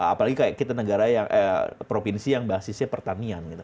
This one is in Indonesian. apalagi kayak kita negara provinsi yang basisnya pertanian